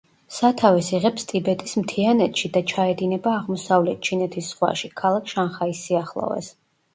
სათავეს იღებს ტიბეტის მთიანეთში და ჩაედინება აღმოსავლეთ ჩინეთის ზღვაში, ქალაქ შანხაის სიახლოვეს.